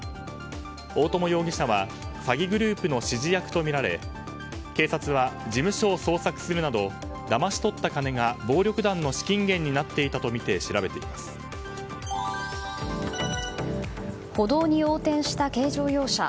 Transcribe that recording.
大友容疑者は詐欺グループの指示役とみられ警察は事務所を捜索するなどだまし取った金が暴力団の資金源になっていたとみて歩道に横転した軽乗用車。